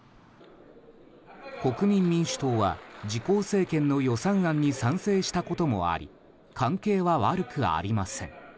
国民民主党は、自公政権の予算案に賛成したこともあり関係は悪くありません。